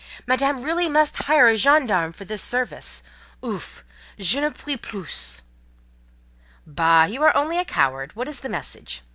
Madame must really hire a gendarme for this service. Ouf! Je n'en puis plus!" "Bah! you are only a coward. What is the message?"